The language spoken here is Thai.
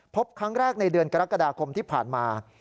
พบครั้งแรกในเดือนกรกฎาคมที่ผ่านมา